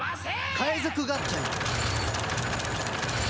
界賊合体。